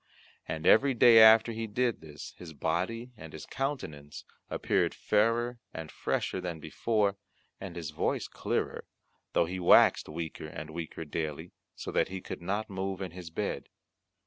And every day after he did this, his body and his countenance appeared fairer and fresher than before, and his voice clearer, though he waxed weaker and weaker daily, so that he could not move in his bed.